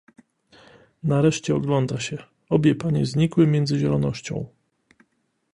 "Nareszcie ogląda się; obie panie znikły między zielonością."